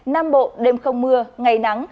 nam bộ đêm không mưa ngày nắng